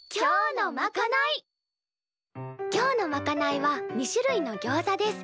今日のまかないは２種類のギョウザです。